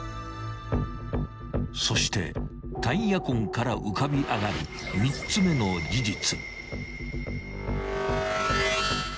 ［そしてタイヤ痕から浮かび上がる３つ目の事実］